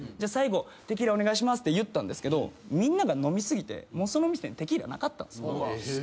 「最後テキーラお願いします」って言ったんですけどみんなが飲み過ぎてもうその店にテキーラなかったんですよ。